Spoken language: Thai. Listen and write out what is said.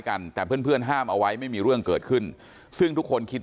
กันแต่เพื่อนเพื่อนห้ามเอาไว้ไม่มีเรื่องเกิดขึ้นซึ่งทุกคนคิด